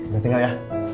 gue tinggal ya